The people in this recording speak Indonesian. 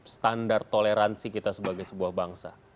standar toleransi kita sebagai sebuah bangsa